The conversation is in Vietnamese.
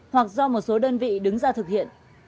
hoặc do một số đơn vị đứng ra thực hiện